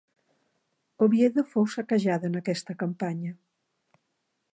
Oviedo fou saquejada en aquesta campanya.